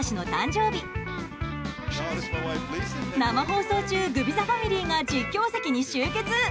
生放送中、グビザファミリーが実況席に集結。